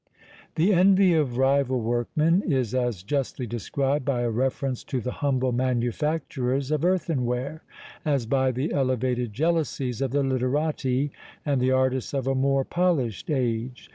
The envy of rival workmen is as justly described by a reference to the humble manufacturers of earthenware as by the elevated jealousies of the literati and the artists of a more polished age.